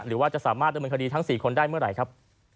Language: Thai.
หรือว่าจะสามารถดำเนินคดีทั้ง๔คนได้เมื่อไหร่ครับ